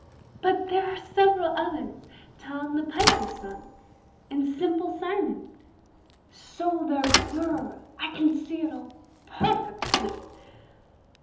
"But there are several others, Tom the Piper's son, and Simple Simon." "So there were, I can see it all perfectly.